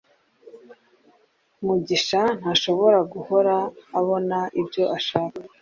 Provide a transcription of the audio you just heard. mugisha ntashobora guhora abona ibyo ashaka